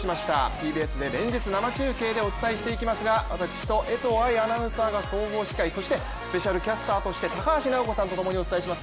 ＴＢＳで連日、生中継でお伝えしていきますが、私と江藤愛アナウンサーが総合司会、そしてスペシャルキャスターとして高橋尚子さんとともにお伝えします。